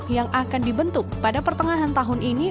yang akan dibentuk pada pertengahan tahun ini